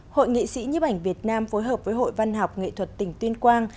hội nghị sĩ nhiếp ảnh việt nam phối hợp với hội văn học nghệ thuật tỉnh tuyên quang